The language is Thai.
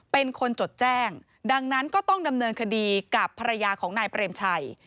เป็นคนจดแจ้งดังนั้นก็ต้องดำเนินคดีกับภรรยาของนายเปรมชัย